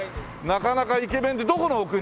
なかなかイケメンでどこのお国？